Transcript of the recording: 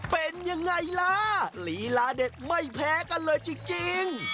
เป็นยังไงล่ะลีลาเด็ดไม่แพ้กันเลยจริง